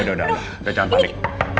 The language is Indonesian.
udah udah udah jangan panik